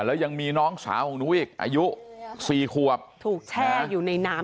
แล้วยังมีน้องสาวของหนูอีกอายุสี่ขวบถูกแช่อยู่ในน้ำ